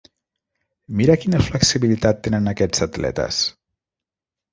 Mira quina flexibilitat tenen aquests atletes!